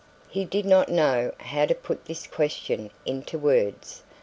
He did not know how to put this question into words.